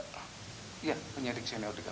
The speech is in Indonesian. iya penyidik senior